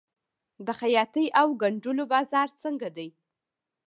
د خیاطۍ او ګنډلو بازار څنګه دی؟